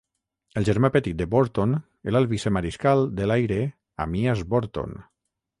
El germà petit de Borton era el Vicemariscal de l'Aire Amyas Borton.